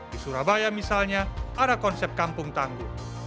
di surabaya misalnya ada konsep kampung tangguh